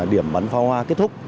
điểm bắn pháo hoa kết thúc